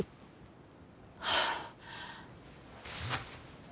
はあ。